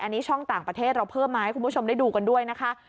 อันนี้ช่องต่างประเทศเราเพิ่มมาให้คุณผู้ชมได้ดูกันด้วยนะคะ